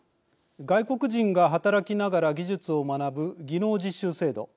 外国人が働きながら技術を学ぶ技能実習制度。